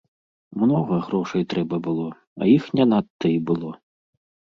Многа грошай трэба было, а іх не надта і было.